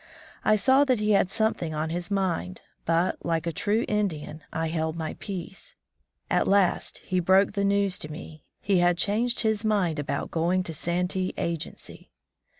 I saw that he had something on his mind, but, like a true Indian, I held my peace. At last he broke the news to me — he had changed his mind about going to Santee agency